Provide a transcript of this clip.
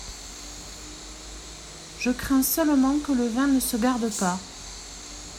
Je crains seulement que le vin ne se garde pas.